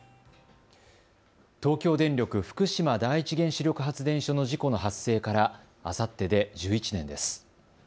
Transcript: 東京電力福島第一原子力発電所の事故の発生からあさってで１１年です。